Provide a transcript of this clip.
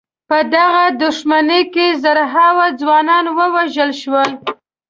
په دغه دښمنۍ کې زرهاوو ځوانان ووژل شول.